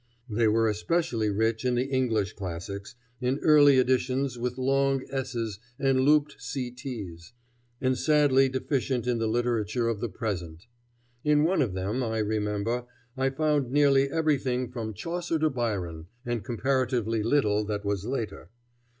They were especially rich in the English classics, in early editions with long s's and looped ct's, but sadly deficient in the literature of the present. In one of them, I remember, I found nearly everything from Chaucer to Byron, and comparatively little that was later.